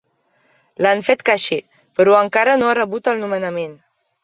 L'han fet caixer, però encara no ha rebut el nomenament.